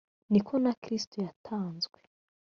ni ko na kristo yatanzwe